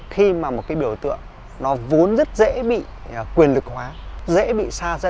khi mà một cái biểu tượng nó vốn rất dễ bị quyền lực hóa dễ bị xa dân